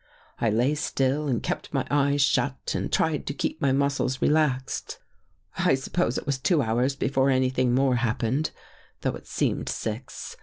I lay still and kept my eyes shut and tried to keep my muscles relaxed. " I suppose it was two hours before anything more happened, though it seemed six.